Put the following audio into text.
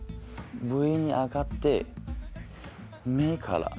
上に上がって目から。